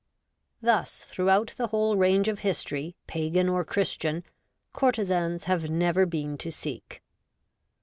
Thus, throughout the whole range of history. Pagan or Christian, courtesans have never been to seek.